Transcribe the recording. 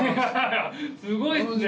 すごいっすね。